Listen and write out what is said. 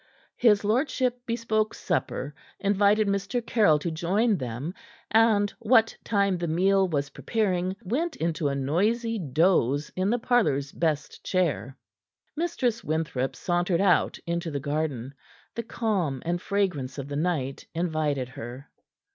His lordship bespoke supper, invited Mr. Caryll to join them, and, what time the meal was preparing, went into a noisy doze in the parlor's best chair. Mistress Winthrop sauntered out into the garden. The calm and fragrance of the night invited her.